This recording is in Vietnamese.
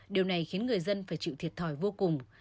điều này khiến người dân phải chịu thiệt thòi vô cùng